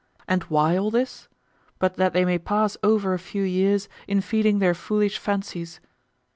And why all this? but that they may pass over a few years in feeding their foolish fancies.